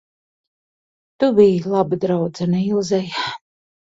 Tu biji laba draudzene Ilzei.